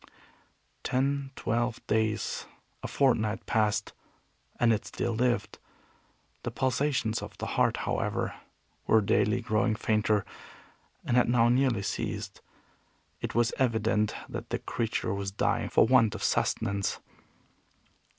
Ten, twelve days, a fortnight passed, and it still lived. The pulsations of the heart, however, were daily growing fainter, and had now nearly ceased. It was evident that the creature was dying for want of sustenance.